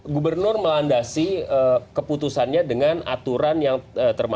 gubernur melandasi keputusannya dengan aturan yang termaktub dan tidak terkait